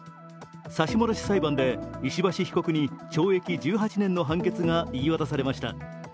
差し戻し裁判で、石橋被告に懲役１８年の判決が言い渡されました。